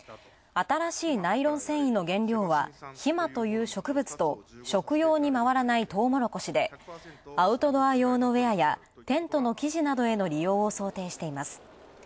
新しいナイロン繊維の原料はヒマという植物と食用に回らないとうもろこしでアウトドア用のウエアやテントの生地などへの利用を想定しています。